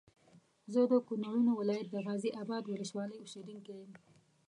زه د کونړونو ولايت د غازي اباد ولسوالۍ اوسېدونکی یم